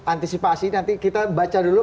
antisipasi nanti kita baca dulu